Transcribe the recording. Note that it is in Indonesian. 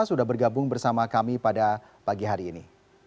sudah bergabung bersama kami pada pagi hari ini